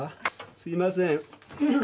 すいません。